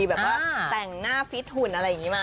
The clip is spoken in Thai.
แบบว่าแต่งหน้าฟิตหุ่นอะไรอย่างนี้มา